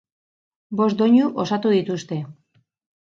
Bost doinu osatu dituzte.